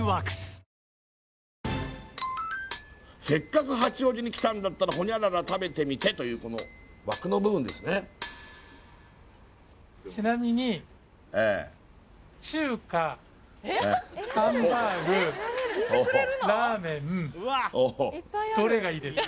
「せっかく八王子に来たんだったら○○食べてみて！」というこの枠の部分ですねええおおっ